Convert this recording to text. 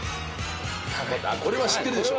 これは知ってるでしょ。